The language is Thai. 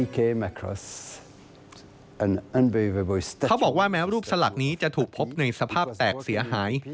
เขาบอกว่าแม้รูปสลักนี้จะถูกพบในสภาพแตกเสียหาย